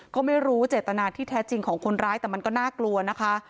ก็ไม่รู้เจตนาที่แท้จริงของคนร้ายแต่มันก็น่ากลัวนะคะ